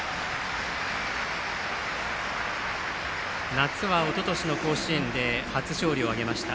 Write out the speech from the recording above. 夏はおととしの甲子園で初勝利を挙げました。